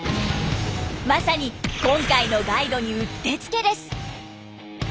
まさに今回のガイドにうってつけです。